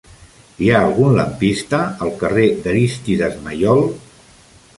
Hi ha algun lampista al carrer d'Arístides Maillol?